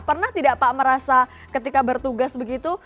pernah tidak pak merasa ketika bertugas begitu